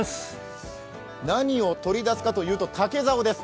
何を取り出すかというと、竹ざおです。